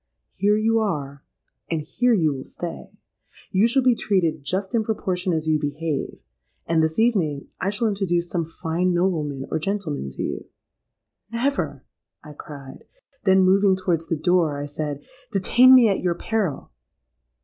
Here you are, and here you will stay. You shall be treated just in proportion as you behave; and this evening, I shall introduce some fine nobleman or gentleman to you.'—'Never!' I cried: then moving towards the door, I said, 'Detain me at your peril!'